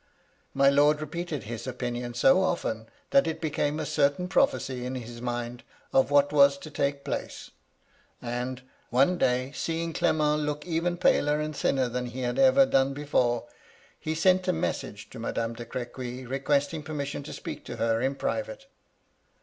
My lord repeated his opinion so often, that it became a certain prophecy in liis mind of what was to take place ; and, one day seeing VOL, L a 122 MY LADY LUDLOW. Clement look even paler and thinner than he had ever done before, he sent a message to Madame de Crequy, requesting permission to speak to her in private.